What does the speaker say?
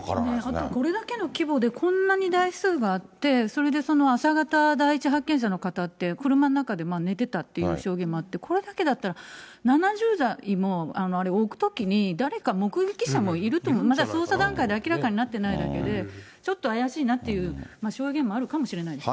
あとこれだけの規模で、こんなに台数があって、それで朝方、第一発見者の方は車の中で寝てたっていう証言もあって、これだけだったら、７０台も置くときに誰か目撃者もいると、まだ捜査段階で明らかになってないだけで、ちょっと怪しいなという証言もあるかもしれませんね。